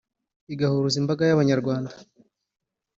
igahuruza imbaga y’Abanyarwanda